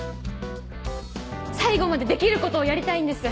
最後までできることをやりたいんです。